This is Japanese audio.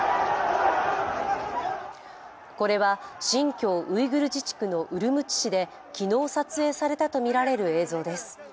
これは、新疆ウイグル自治区のウルムチ市で昨日、撮影されたとみられる映像です。